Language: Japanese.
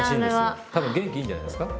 多分元気いいんじゃないですか？